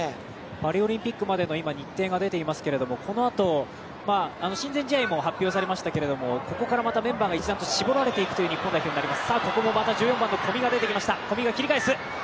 パリオリンピックまでの日程が出ていますがこのあと、親善試合も発表されましたけれどもここからまたメンバーが絞られていくという日本代表になります。